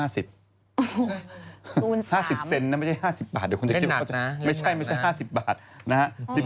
๕๐เซนนะไม่ใช่๕๐บาทเดี๋ยวคุณจะคิดว่าไม่ใช่ไม่ใช่๕๐บาทนะฮะ